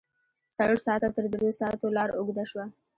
څلور ساعته تر دروساتو لار اوږده شوه.